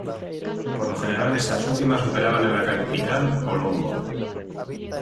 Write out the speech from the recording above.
Por lo general estas últimas operaban en la capital, Colombo.